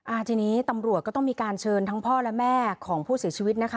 อ่าทีนี้ตำรวจก็ต้องมีการเชิญทั้งพ่อและแม่ของผู้เสียชีวิตนะคะ